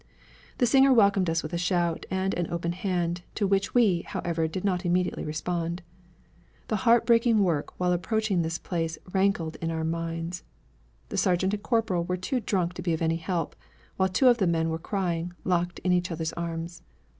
The singer welcomed us with a shout and an open hand, to which we, however, did not immediately respond. The heartbreaking work while approaching this place rankled in our minds. The sergeant and corporal were too drunk to be of any help, while two of the men were crying, locked in each others' arms.